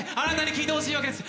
聴いてほしいわけです！